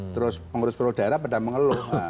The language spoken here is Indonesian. terus pengurus perudara pada mengeluh